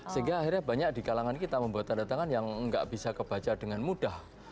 sehingga akhirnya banyak di kalangan kita membuat tanda tangan yang nggak bisa kebaca dengan mudah